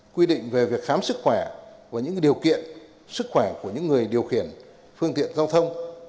quy định về việc khám sức khỏe và những điều kiện sức khỏe của những người điều khiển phương tiện giao thông